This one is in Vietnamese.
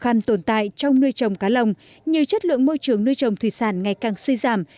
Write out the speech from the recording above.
khăn tồn tại trong nuôi trồng cá lồng như chất lượng môi trường nuôi trồng thủy sản ngày càng suy giảm